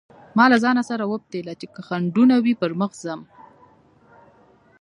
ما له ځانه سره وپتېيله چې که خنډونه وي پر مخ ځم.